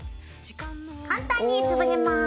簡単につぶれます。